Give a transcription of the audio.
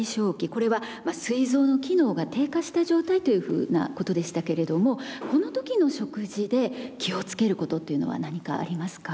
これはすい臓の機能が低下した状態というふうなことでしたけれどもこの時の食事で気をつけることというのは何かありますか？